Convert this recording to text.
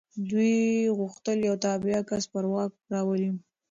دوی غوښتل یو تابع کس پر واک راولي.